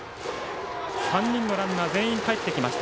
３人のランナー全員がかえってきました。